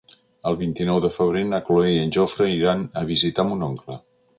El vint-i-nou de febrer na Cloè i en Jofre iran a visitar mon oncle.